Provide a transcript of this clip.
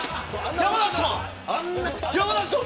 山崎さん